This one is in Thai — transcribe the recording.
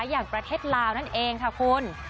อย่างประเทศลาวนั่นเองค่ะคุณ